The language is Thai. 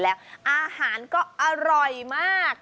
แม้งอาหารโดยร้ายมาก